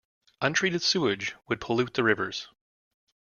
Untreated sewage would pollute the rivers.